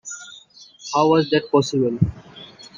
How was that possible?